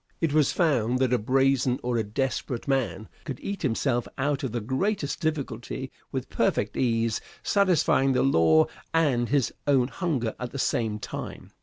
It was found that a brazen or a desperate man could eat himself out of the greatest difficulty with perfect ease, satisfying the law and his own hunger at the same time.